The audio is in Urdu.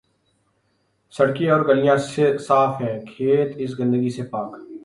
سڑکیں اورگلیاں صاف ہیں، کھیت اس گندگی سے پاک۔